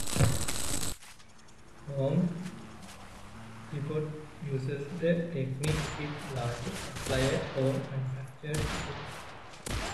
Home Depot uses the technique with larger suppliers of manufactured goods.